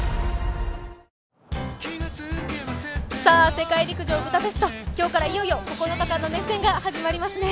世界陸上ブダペスト、今日からいよいよ９日間の熱戦が始まりますね。